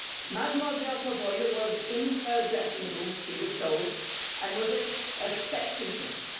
Mademoiselle Pavoya was in her dressing room, he was told, and was expecting him.